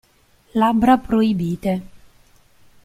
Labbra proibite